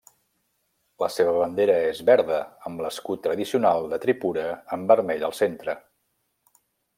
La seva bandera és verda amb l'escut tradicional de Tripura amb vermell al centre.